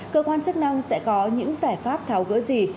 cơ quan chức năng sẽ có những giải pháp tháo gỡ dịch bệnh